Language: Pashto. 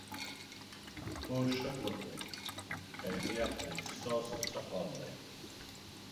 هو شکر دی، خیریت دی، ستاسو څه حال دی؟